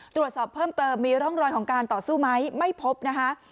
ตรวจสอบเพิ่มเติมมีร่องรอยของการต่อสู้ไหมไม่พบนะคะ